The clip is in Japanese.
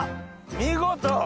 見事！